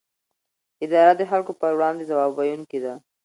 اداره د خلکو پر وړاندې ځواب ویونکې ده.